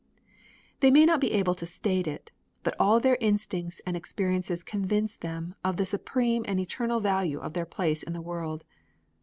They may not be able to state it, but all their instincts and experiences convince them of the supreme and eternal value of their place in the world.